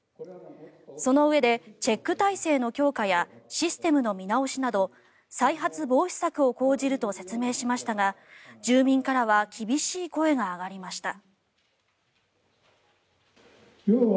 そのうえでチェック体制の強化やシステムの見直しなど再発防止策を講じると説明しましたが住民からは厳しい声が上がりました。